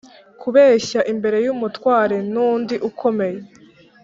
kubeshya, imbere y’umutware n’undi ukomeye,